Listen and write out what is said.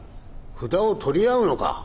札を取り合うのか。